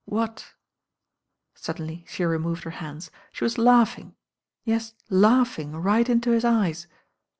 What ? Suddenly she removed her hands — she was laugh ing, yes, laughing right into his eyes.